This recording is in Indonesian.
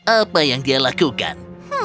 apa yang dia lakukan